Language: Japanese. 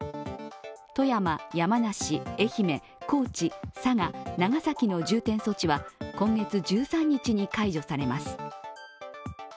富山、山梨、愛媛、高知、佐賀、長崎の重点措置は、今月１３日に解除されます。